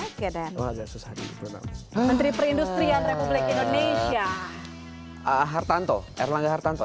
muhajir muhajir muhajir efendi muhajir oke dan wajah susah di indonesia hartanto erlangga hartanto